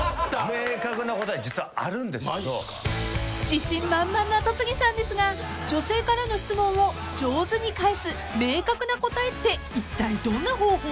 ［自信満々な戸次さんですが女性からの質問を上手に返す明確な答えっていったいどんな方法？］